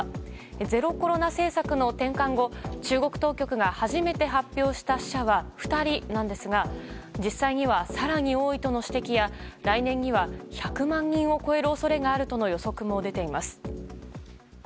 ゼロコロナ政策の転換後中国当局が初めて発表した死者は２人ですが実際には更に多いとの指摘や来年には１００万人を超える恐れがあるとの予測も出ています。